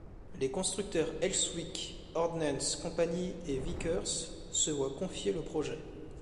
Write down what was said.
Les constructeurs Elswick Ordnance Company et Vickers se voient confier le projet.